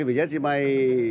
vì giá chỉ bay